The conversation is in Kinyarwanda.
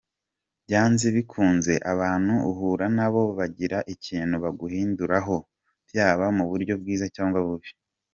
Byanze bikunze abantu uhura nabo bagira ikintu baguhinduraho byaba mu buryo bwiza cyangwa bubi.